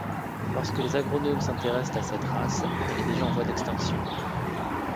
Lorsque les agronomes s'intéressent à cette race, elle est déjà en voie d'extinction.